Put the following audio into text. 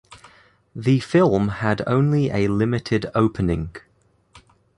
The film had only a limited opening.